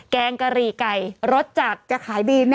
แกงกะหรี่ไก่รสจัดจะขายดีนะ